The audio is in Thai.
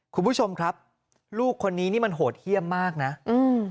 คุณผู้ชมครับลูกคนนี้นี่มันโหดเยี่ยมมากน่ะอืม